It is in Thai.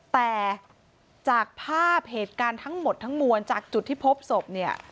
แต่จากภาพเหตุการณ์ทั้งหมดทั้งมวลจากจุดที่พบศพเนี่ย